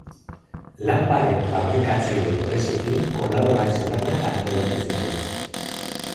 Lanparen fabrikatzaile enpresekin kolaborazio lanak antolatu zituen.